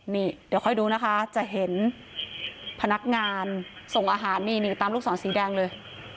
นี่เดี๋ยวค่อยดูนะคะจะเห็นพนักงานส่งอาหารนี่นี่ตามลูกศรสีแดงเลย